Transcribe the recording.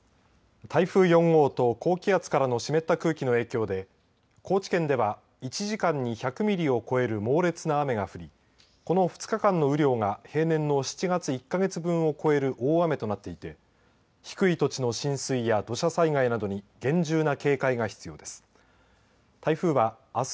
台風４号と高気圧からの湿った空気の影響で高知県では１時間にも１００ミリを超える猛烈な雨が降り、この２日間の雨量が平年の７月１か月分を超える大雨となっていて低い土地の浸水や土砂災害などに厳重な警戒が必要です。